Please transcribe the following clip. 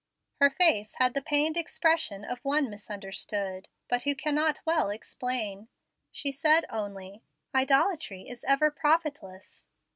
Her face had the pained expression of one misunderstood, but who cannot well explain. She said only, "Idolatry is ever profitless."